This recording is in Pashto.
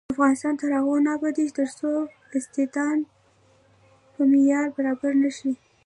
افغانستان تر هغو نه ابادیږي، ترڅو استادان په معیار برابر نشي.